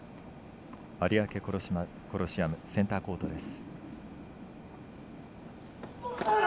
有明コロシアムのセンターコートです。